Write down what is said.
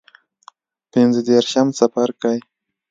پنځه دیرشم څپرکی